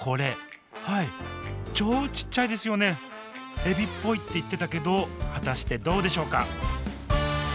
エビっぽいって言ってたけど果たしてどうでしょうか？